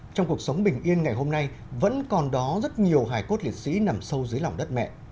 trong cuộc sống bình yên ngày hôm nay vẫn còn đó rất nhiều hài cốt liệt sĩ nằm sâu dưới lòng đất mẹ